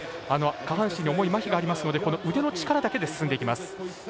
下半身に重いまひがありますので腕の力だけで進んでいきます。